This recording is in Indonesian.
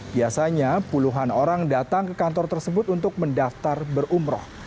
biasanya puluhan orang datang ke kantor tersebut untuk mendaftar berumroh